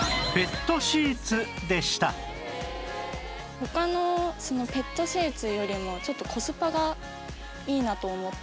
他のペットシーツよりもちょっとコスパがいいなと思って。